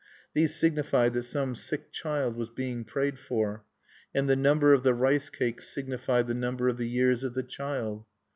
These signified that some sick child was being prayed for; and the number of the rice cakes signified the number of the years of the child.